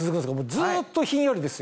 ずっとひんやりですよ。